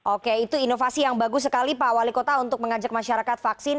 oke itu inovasi yang bagus sekali pak wali kota untuk mengajak masyarakat vaksin